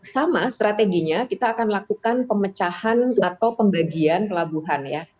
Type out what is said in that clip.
sama strateginya kita akan lakukan pemecahan atau pembagian pelabuhan ya